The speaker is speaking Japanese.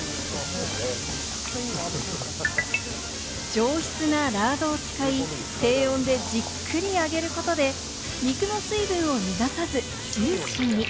上質なラードを使い、低温でじっくり揚げることで、肉の水分を逃がさず、ジューシーに！